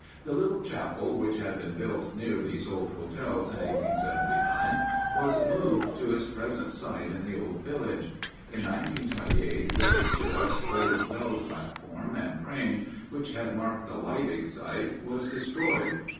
The little chapel which had been built near these old hotels in 1879 was moved to its present site in the Old Village. In 1928 the picturesque old well platform and crane, which had marked the Leidig site, was destroyed.